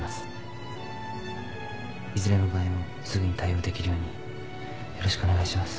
いずれの場合もすぐに対応できるようによろしくお願いします。